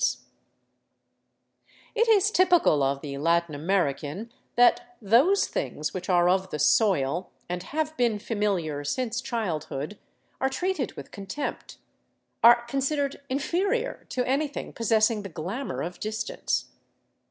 435 VAGABONDING DOWN THE ANDES It is typical of the Latin American that those things which are of the soil, and have been familiar since childhood, are treated with con tempt, are considered inferior to anything possessing the glamor of distance.